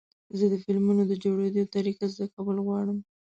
زه د فلمونو د جوړېدو طریقه زده کول غواړم.